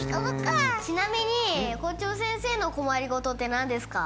ちなみに校長先生の困り事って何ですか？